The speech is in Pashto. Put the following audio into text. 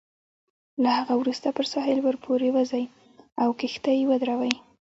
له هغه وروسته پر ساحل ورپورې وزئ او کښتۍ ودروئ.